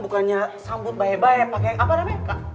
bukannya sambut baik baik pake apa namanya